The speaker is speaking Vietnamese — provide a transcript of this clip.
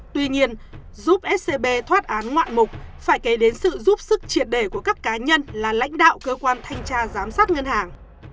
tuy nhiên giúp scb thoát án ngoạn mục phải kể đến sự giúp sức triệt đề của các cá nhân là lãnh đạo cơ quan thanh tra giám sát ngân hàng